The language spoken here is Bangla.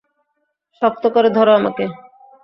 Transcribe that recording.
শক্ত করে ধরো আমাকে।